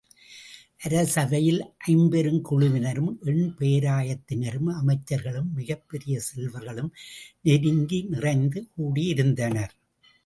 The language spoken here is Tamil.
அரசவையில் ஐம்பெருங் குழுவினரும் எண் பேராயத்தினரும் அமைச்சர்களும், மிகப் பெரிய செல்வர்களும் நெருங்கி நிறைந்து கூடியிருந்தனர்.